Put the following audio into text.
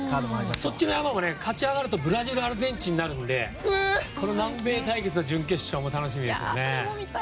そっちの山も勝ち上がればブラジルとアルゼンチンなのでこの南米対決の準決勝も楽しみですよね。